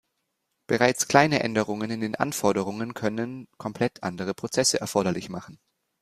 Bereits kleine Änderungen in den Anforderungen können komplett andere Prozesse erforderlich machen.